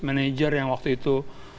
manager yang waktu itu